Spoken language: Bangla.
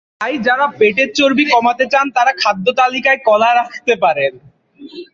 তাই যাঁরা পেটের চর্বি কমাতে চান, তাঁরা খাদ্যতালিকায় কলা রাখতে পারেন।